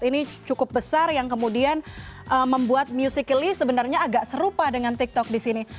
ini cukup besar yang kemudian membuat musically sebenarnya agak serupa dengan tiktok di sini